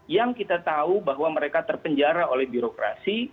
yang kita tahu bahwa mereka terpenjara oleh birokrasi